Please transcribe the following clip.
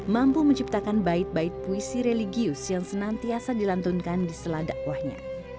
mampu menciptakan bait bait puisi religius yang senantiasa dilantunkan di seladakwahnya